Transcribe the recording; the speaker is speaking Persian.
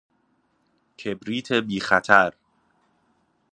کبریت بی خطر